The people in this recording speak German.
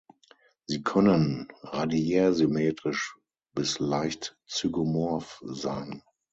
Sie können radiärsymmetrisch bis leicht zygomorph sein.